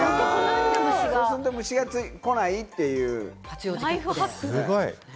そうすると、虫が来ないというね。